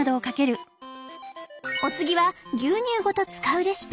お次は牛乳ごと使うレシピ！